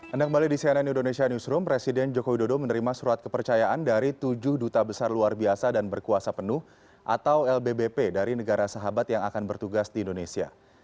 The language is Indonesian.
anda kembali di cnn indonesia newsroom presiden joko widodo menerima surat kepercayaan dari tujuh duta besar luar biasa dan berkuasa penuh atau lbbp dari negara sahabat yang akan bertugas di indonesia